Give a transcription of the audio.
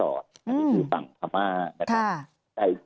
อันนี้คือฝั่งทรมาน